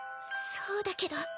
そうだけど。